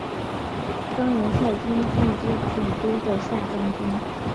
庄尤率军进击荆州的下江军。